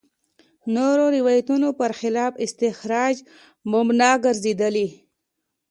نورو روایتونو برخلاف استخراج مبنا ګرځېدلي.